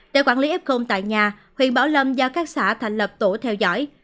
để quản lý ép khôn tại nhà huyện bảo lâm do các xã thành lập tổ theo dõi